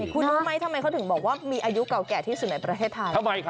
คุณรู้ไหมทำไมเขาถึงบอกว่ามีอายุเก่าแก่ที่สุดในประเทศไทย